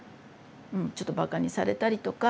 うんちょっとバカにされたりとか。